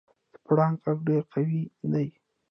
د پړانګ غږ ډېر قوي دی.